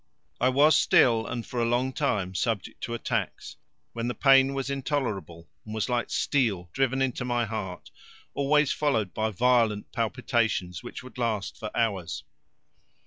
I was still and for a long time subject to attacks, when the pain was intolerable and was like steel driven into my heart, always followed by violent palpitations, which would last for hours.